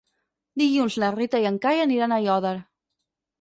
Dilluns na Rita i en Cai aniran a Aiòder.